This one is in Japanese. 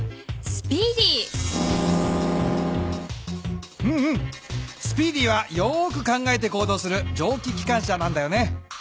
スピーディーはよく考えて行動するじょうききかん車なんだよね。